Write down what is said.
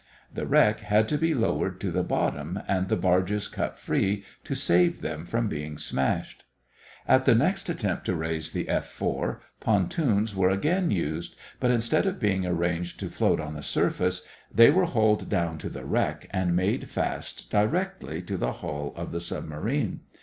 The wreck had to be lowered to the bottom and the barges cut free to save them from being smashed. At the next attempt to raise the F 4 pontoons were again used, but instead of being arranged to float on the surface, they were hauled down to the wreck and made fast directly to the hull of the submarine.